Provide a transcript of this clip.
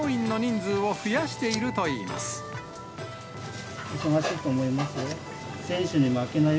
忙しいと思いますよ。